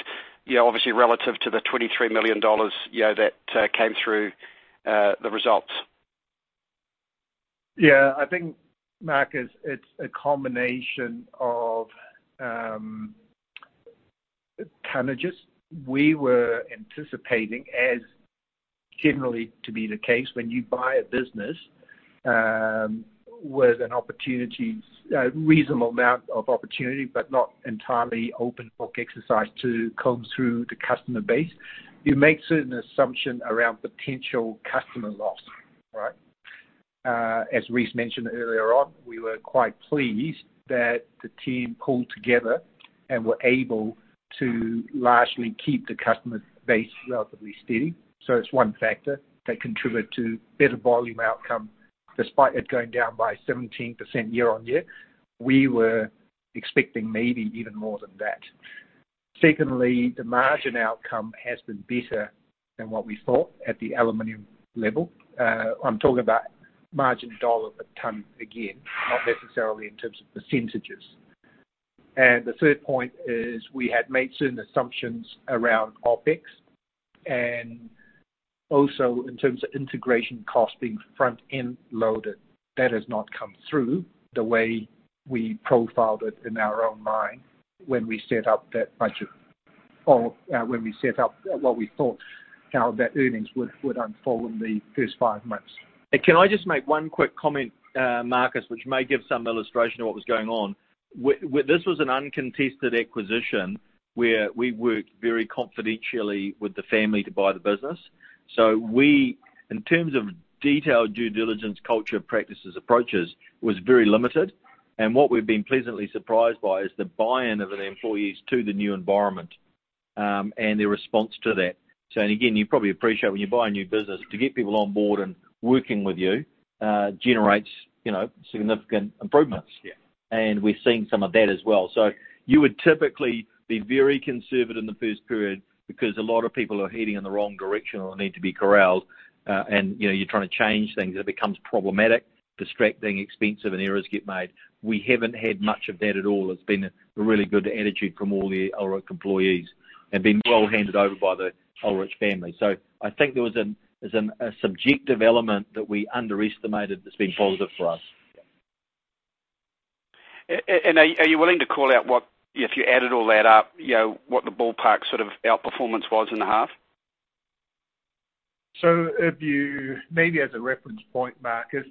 you know, obviously relative to the 23 million dollars, you know, that came through the results. I think, Marcus, it's a combination of, kind of just we were anticipating as generally to be the case when you buy a business, with an opportunity a reasonable amount of opportunity, but not entirely open book exercise to comb through the customer base. You make certain assumption around potential customer loss, right? As Rhys mentioned earlier on, we were quite pleased that the team pulled together and were able to largely keep the customer base relatively steady. It's one factor that contributed to better volume outcome, despite it going down by 17% year-over-year. We were expecting maybe even more than that. Secondly, the margin outcome has been better than what we thought at the Aluminium level. I'm talking about margin dollar per tonne, again, not necessarily in terms of percentages. The third point is we had made certain assumptions around OpEx, and also in terms of integration cost being front end loaded. That has not come through the way we profiled it in our own mind when we set up that budget or, when we set up, what we thought how that earnings would unfold in the first 5 months. Can I just make one quick comment, Marcus, which may give some illustration of what was going on. This was an uncontested acquisition, where we worked very confidentially with the family to buy the business. We, in terms of detailed due diligence, culture, practices, approaches, was very limited. What we've been pleasantly surprised by is the buy-in of the employees to the new environment, and their response to that. Again, you probably appreciate when you buy a new business to get people on board and working with you, generates, you know, significant improvements. Yeah. We're seeing some of that as well. You would typically be very conservative in the first period because a lot of people are heading in the wrong direction or need to be corralled. You know, you're trying to change things. It becomes problematic, distracting, expensive, and errors get made. We haven't had much of that at all. It's been a really good attitude from all the Ullrich employees and been well handed over by the Ullrich family. I think there was a subjective element that we underestimated that's been positive for us. Yeah. Are you willing to call out what, if you added all that up, you know, what the ballpark sort of outperformance was in the half? If you... Maybe as a reference point, Marcus,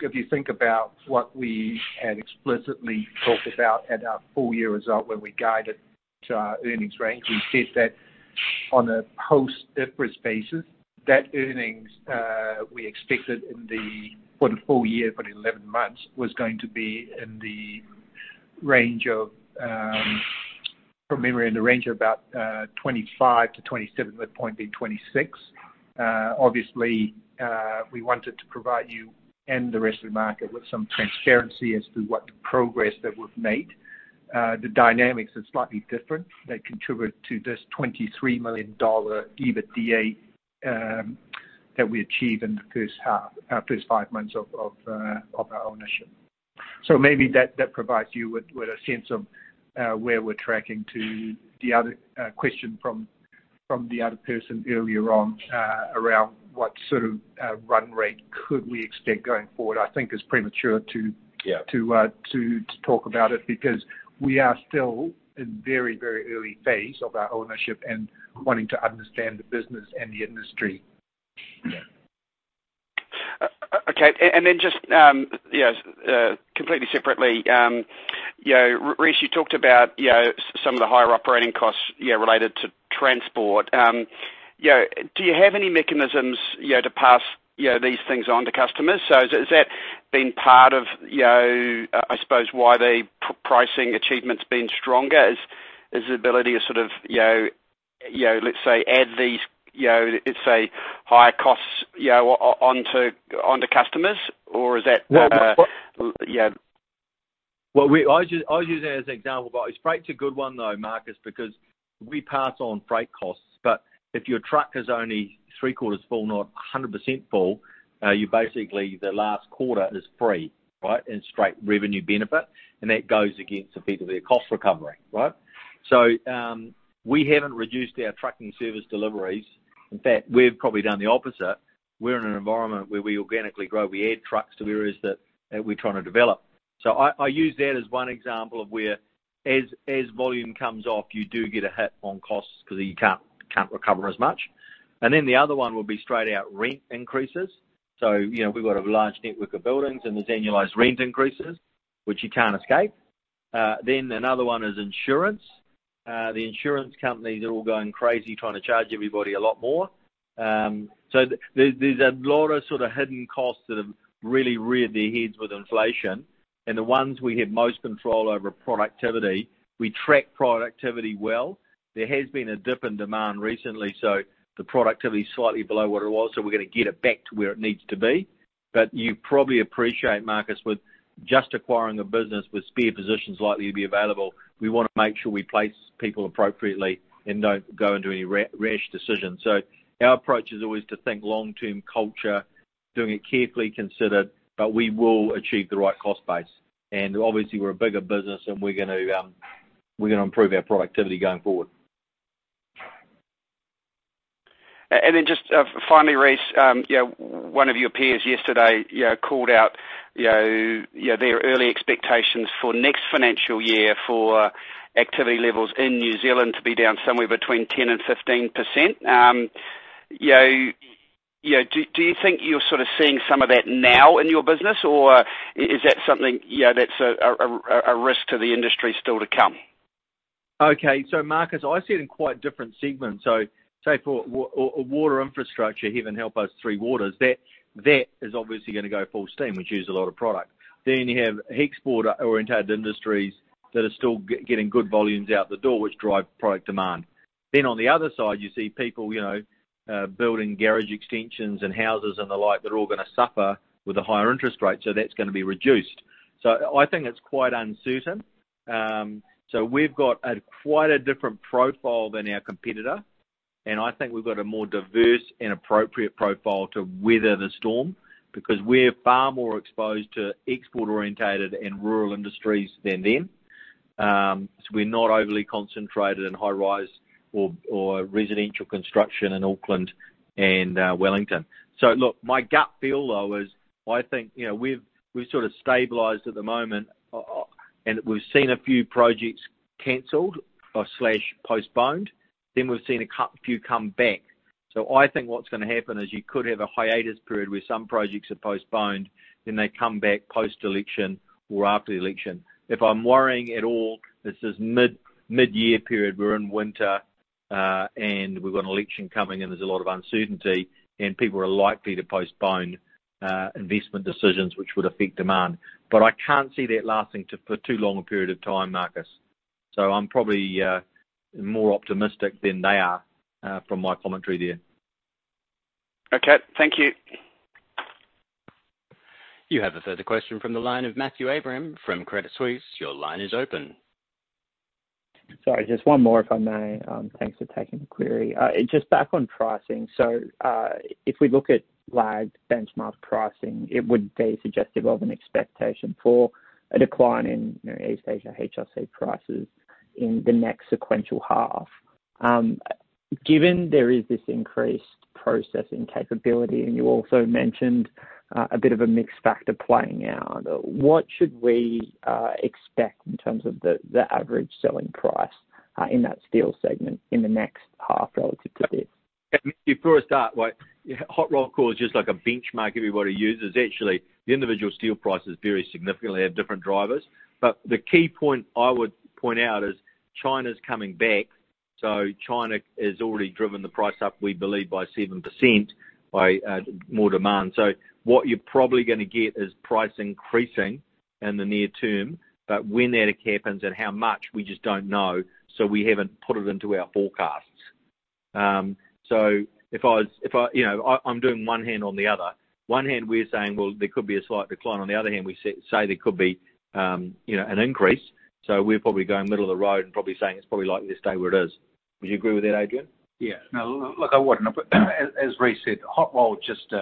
if you think about what we had explicitly talked about at our full year result when we guided to our earnings range, we said that on a post-IFRS basis, that earnings, we expected in the, for the full year for the 11 months, was going to be in the range of, from memory, in the range of about, 25-27, with point being 26. We wanted to provide you and the rest of the market with some transparency as to what the progress that we've made. The dynamics are slightly different. They contribute to this 23 million dollar EBITDA, that we achieved in the first half, our first 5 months of our ownership. Maybe that provides you with a sense of, where we're tracking to the other question from the other person earlier on, around what sort of, run rate could we expect going forward. I think it's premature. Yeah... to talk about it because we are still in very early phase of our ownership and wanting to understand the business and the industry. Yeah. Okay. Then just, yes, completely separately, you know, Rhys, you talked about, you know, some of the higher operating costs, you know, related to transport. You know, do you have any mechanisms, you know, to pass, you know, these things on to customers? Has that been part of, you know, I suppose why the pricing achievements been stronger? Is the ability to sort of, you know, let's say add these, you know, let's say higher costs, you know, onto customers? Is that? Well, Yeah. Well, I was just using it as an example, freight's a good one though, Marcus, because we pass on freight costs. If your truck is only three-quarters full, not 100% full, you basically, the last quarter is free, right? Straight revenue benefit. That goes against effectively a cost recovery, right? We haven't reduced our trucking service deliveries. In fact, we've probably done the opposite. We're in an environment where we organically grow. We add trucks to areas that we're trying to develop. I use that as one example of where as volume comes off, you do get a hit on costs because you can't recover as much. The other one would be straight out rent increases. You know, we've got a large network of buildings, and there's annualized rent increases, which you can't escape. Another one is insurance. The insurance companies are all going crazy trying to charge everybody a lot more. There's a lot of sort of hidden costs that have really reared their heads with inflation. The ones we have most control over are productivity. We track productivity well. There has been a dip in demand recently, so the productivity is slightly below what it was. We're gonna get it back to where it needs to be. You probably appreciate, Marcus, with just acquiring a business with spare positions likely to be available, we wanna make sure we place people appropriately and don't go into any rash decisions. Our approach is always to think long-term culture, doing it carefully considered, but we will achieve the right cost base. Obviously we're a bigger business and we're gonna improve our productivity going forward. Then just finally, Rhys, you know, one of your peers yesterday, you know, called out, you know, their early expectations for next financial year for activity levels in New Zealand to be down somewhere between 10% and 15%. You know, do you think you're sort of seeing some of that now in your business? Or is that something, you know, that's a risk to the industry still to come? Marcus, I see it in quite different segments. Say for a water infrastructure, heaven help us, Three Waters, that is obviously gonna go full steam, which use a lot of product. You have export-oriented industries that are still getting good volumes out the door, which drive product demand. On the other side, you see people, you know, building garage extensions and houses and the like that are all gonna suffer with the higher interest rates, so that's gonna be reduced. I think it's quite uncertain. We've got a quite a different profile than our competitor, and I think we've got a more diverse and appropriate profile to weather the storm because we're far more exposed to export-oriented and rural industries than them. We're not overly concentrated in high-rise or residential construction in Auckland and Wellington. Look, my gut feel though is I think, you know, we've sort of stabilized at the moment, and we've seen a few projects canceled or slash postponed. Then we've seen a few come back. I think what's gonna happen is you could have a hiatus period where some projects are postponed, then they come back post-election or after the election. If I'm worrying at all, this is mid-year period, we're in winter, and we've got an election coming and there's a lot of uncertainty, and people are likely to postpone investment decisions which would affect demand. I can't see that lasting for too long a period of time, Marcus. I'm probably more optimistic than they are from my commentary there. Okay. Thank you. You have a further question from the line of Matthew Abraham from Credit Suisse. Your line is open. Sorry, just one more, if I may. Thanks for taking the query. Just back on pricing. If we look at lagged benchmark pricing, it would be suggestive of an expectation for a decline in, you know, East Asia HRC prices in the next sequential half. Given there is this increased processing capability, and you also mentioned a bit of a mix factor playing out, what should we expect in terms of the average selling price in that steel segment in the next half relative to this? Before I start, like hot-rolled Co is just like a benchmark everybody uses. Actually, the individual steel prices vary significantly, have different drivers. The key point I would point out is China's coming back. China has already driven the price up, we believe, by 7% by more demand. What you're probably gonna get is price increasing in the near term, but when that occurs and how much, we just don't know, so we haven't put it into our forecasts. If I was, you know, I'm doing one hand on the other. One hand we're saying, "Well, there could be a slight decline," on the other hand, we say there could be, you know, an increase. We're probably going middle of the road and probably saying it's probably likely to stay where it is. Would you agree with that, Adrian? No, look, I would. As Rhys said, hot rolled is just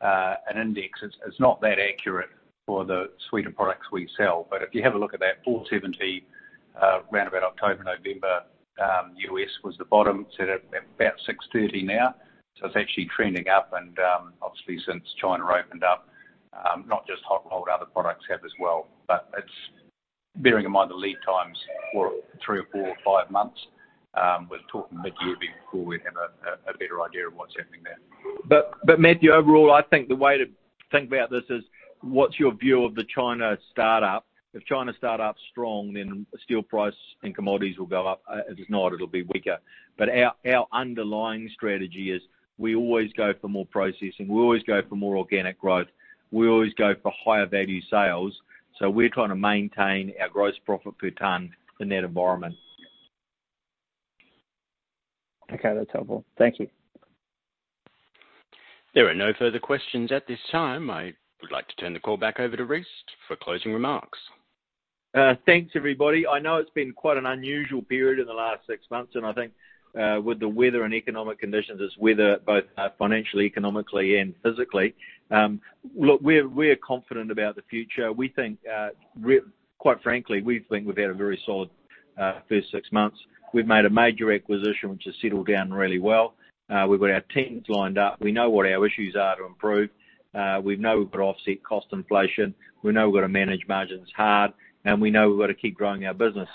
an index. It's not that accurate for the suite of products we sell. If you have a look at that $470 roundabout October, November, US was the bottom. It's at about $630 now. It's actually trending up. Obviously since China opened up, not just hot rolled, other products have as well. It's bearing in mind the lead times for 3 or 4 or 5 months, we're talking mid-year before we'd have a better idea of what's happening there. Matthew, overall, I think the way to think about this is, what's your view of the China startup? If China startup's strong, then steel price and commodities will go up. If it's not, it'll be weaker. Our underlying strategy is we always go for more processing, we always go for more organic growth, we always go for higher value sales. We're trying to maintain our gross profit per ton in that environment. Okay. That's helpful. Thank you. There are no further questions at this time. I would like to turn the call back over to Rhys for closing remarks. Thanks, everybody. I know it's been quite an unusual period in the last 6 months, and I think with the weather and economic conditions, it's weather both financially, economically, and physically. Look, we're confident about the future. We think, quite frankly, we think we've had a very solid first 6 months. We've made a major acquisition, which has settled down really well. We've got our teams lined up. We know what our issues are to improve. We know we've got to offset cost inflation. We know we've got to manage margins hard, and we know we've got to keep growing our business.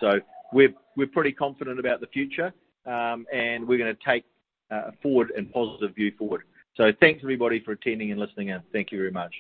We're pretty confident about the future, and we're gonna take a forward and positive view forward. Thanks everybody for attending and listening in. Thank you very much.